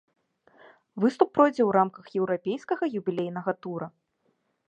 Выступ пройдзе ў рамках еўрапейскага юбілейнага тура.